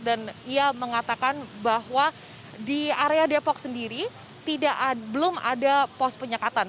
dan dia mengatakan bahwa di area depok sendiri belum ada pos penyekatan